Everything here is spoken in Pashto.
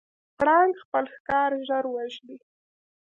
پړانګ خپل ښکار ژر وژني.